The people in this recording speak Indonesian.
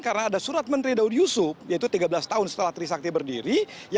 karena ada surat menteri daud yusuf yaitu tiga belas tahun setelah trisakti berdiri